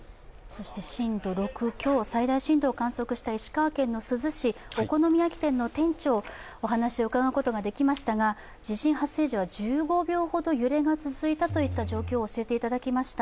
震度６強、最大震度を観測した石川県の珠洲市、お好み焼き店の店長のお話を伺うことができましたが地震発生時は１５秒ほど揺れが続いたという状況を教えていただきました。